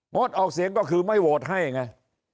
ดออกเสียงก็คือไม่โหวตให้ไง